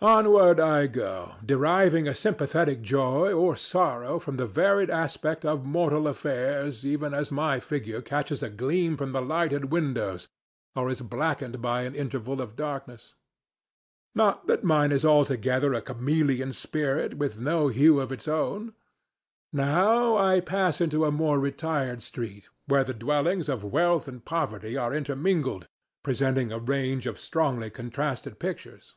Onward I go, deriving a sympathetic joy or sorrow from the varied aspect of mortal affairs even as my figure catches a gleam from the lighted windows or is blackened by an interval of darkness. Not that mine is altogether a chameleon spirit with no hue of its own. Now I pass into a more retired street where the dwellings of wealth and poverty are intermingled, presenting a range of strongly contrasted pictures.